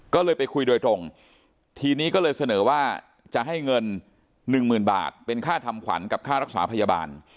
ก็เลยไปคุยโดยตรงทีนี้ก็เลยเสนอว่าจะให้เงิน๑๐๐๐บาทเป็นค่าทำขวัญกับค่ารักษาพยาบาล